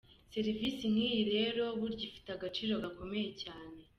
Serivise nk’iyi rero buryo ifite agaciro gakomeye cyane”.